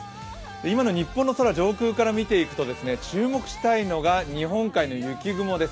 今の日本の空、上空から見ていくと注目したいのが日本海の雪雲です。